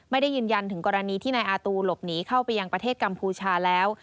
ไม่ได้ยืนยันถึงกรณีที่นายอาตูหลบหนีเข้าไปยังประเทศกัมพูชาแล้ว